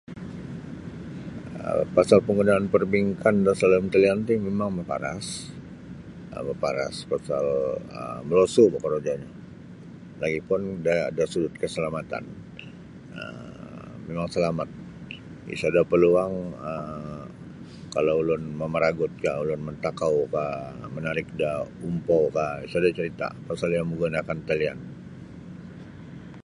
um pasal panggunaan parbingkan da salalum talian ti mimang maparas um maparas pasal um molosu' boh korojonyo lagi' pun da da sudut keselamatan um mimang salamat isada' paluang um kalau ulun mamaragutkah ulun mantakaukah manarik da umpaukah sada' carita' pasal iyo manggunakan talian.